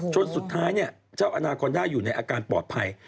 จนสุดท้ายเจ้าอนาคอนด้าอยู่ในอาการปลอดภัย